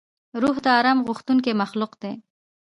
روح د آرام غوښتونکی مخلوق دی.